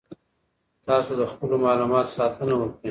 تاسو د خپلو معلوماتو ساتنه وکړئ.